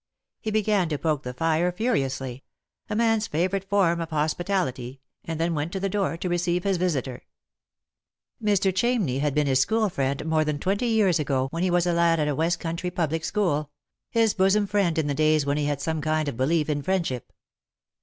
He began to poke the fire furiously — a man's favourite form of hospitality, and then went to the door to receive his visitor. Mr. Chamney had been his school friend more than twenty years ago, when he was a lad at a west country public school— his bosom friend in the days when he had some kind of belief in friendship.